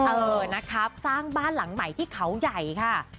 เออนะครับสร้างบ้านหลังใหม่ที่เขาใหญ่ค่ะ